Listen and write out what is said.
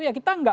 ya kita enggak